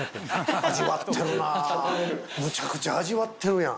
むちゃくちゃ味わってるやん。